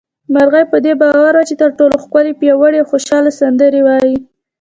مرغۍ په دې باور وه چې تر ټولو ښکلې، پياوړې او خوشحاله سندرې وايي